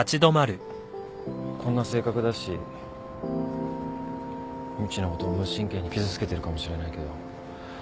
こんな性格だしみちのこと無神経に傷つけてるかもしれないけど。